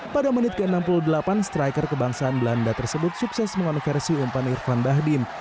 pada menit ke enam puluh delapan striker kebangsaan belanda tersebut sukses mengonversi umpan irfan bahdim